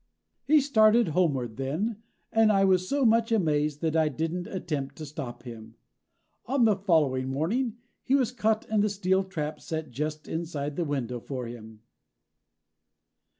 He started homeward then, and I was so much amazed that I didn't attempt to stop him. On the following morning he was caught in the steel trap set just inside the window for him.